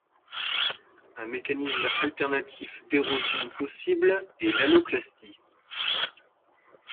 Un mécanisme alternatif d'érosion possible est l'haloclastie.